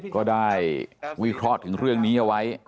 ก็ได้วิเคราะห์ถึงเรื่องนี้เอาไว้